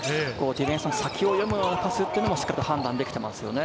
ディフェンスの先を読むようなパスもしっかり判断できていますよね。